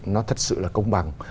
nó thật sự là công bằng